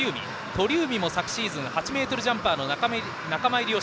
鳥海も昨シーズン８ｍジャンパーの仲間入り。